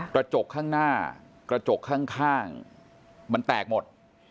กระจกข้างหน้ากระจกข้างมันแตกหมด